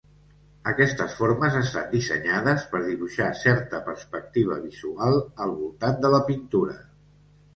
Aquestes formes estan dissenyades per dibuixar certa perspectiva visual al voltant de la pintura.